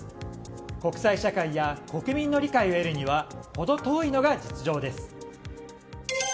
国際社会は国民の理解を得るには程遠いのが実情です。